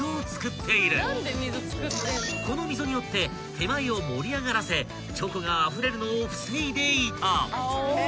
［この溝によって手前を盛り上がらせチョコがあふれるのを防いでいた］